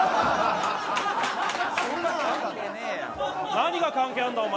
何が関係あるんだお前